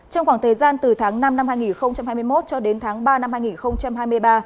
trong khoảng thời gian từ tháng năm năm hai nghìn hai mươi một cho đến tháng ba năm hai nghìn hai mươi ba